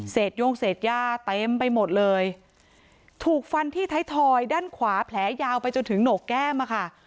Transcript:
โย่งเศษย่าเต็มไปหมดเลยถูกฟันที่ไทยทอยด้านขวาแผลยาวไปจนถึงโหนกแก้มอะค่ะ